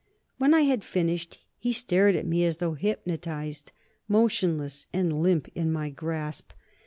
When I had finished, he stared at me as though hypnotized, motionless and limp in my grasp.